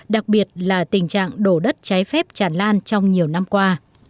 đặc biệt là tình trạng đổ đất trái phép tràn lan trong nhiều năm qua